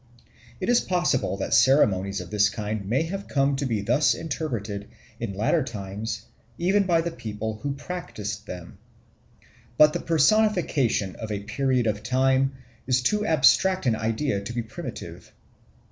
It is possible that ceremonies of this kind may have come to be thus interpreted in later times even by the people who practised them. But the personification of a period of time is too abstract an idea to be primitive.